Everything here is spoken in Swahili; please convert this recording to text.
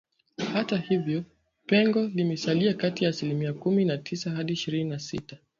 hata hivyo pengo limesalia kati ya asilimia kumi na tisa hadi ishirini na sita